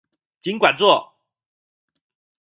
儘管做